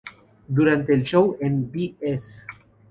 Durante el show en Bs.